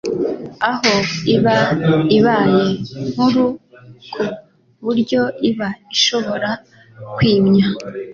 aho iba ibaye nkuru ku buryo iba ishobora kwimya